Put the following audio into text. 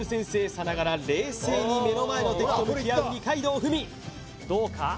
さながら冷静に目の前の敵と向き合う二階堂ふみどうか？